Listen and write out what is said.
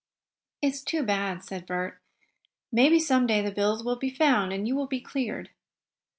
"It is too bad," said Bert. "Maybe some day the bills will be found and you will be cleared."